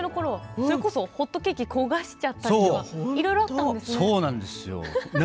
それこそホットケーキを焦がしたりとかいろいろあったんですね。